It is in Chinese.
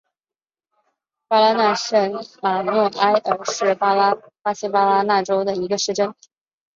巴拉那州圣马诺埃尔是巴西巴拉那州的一个市镇。